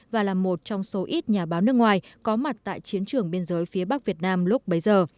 và là một trong số ít nhà báo nước ngoài có mặt tại chiến trường biên giới phía bắc việt nam lúc bấy giờ